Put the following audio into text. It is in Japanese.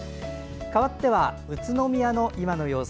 かわっては宇都宮の今の様子。